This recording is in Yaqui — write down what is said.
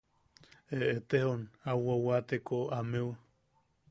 Eʼetejon au wawateko ameu...